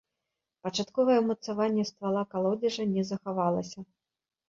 Пачатковае ўмацаванне ствала калодзежа не захавалася.